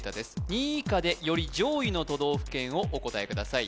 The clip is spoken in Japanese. ２位以下でより上位の都道府県をお答えください